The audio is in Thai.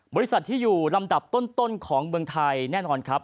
บริษัทที่อยู่ลำดับต้นของเมืองไทยแน่นอนครับ